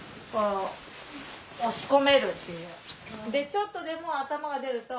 ちょっとでも頭が出ると。